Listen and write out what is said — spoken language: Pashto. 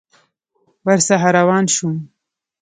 ورڅخه روان شوم.